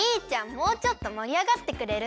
もうちょっともりあがってくれる？